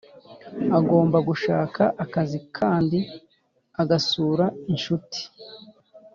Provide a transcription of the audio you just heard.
agomba gushaka akazi kandi agusura inshuti